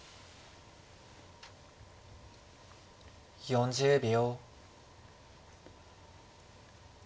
４０秒。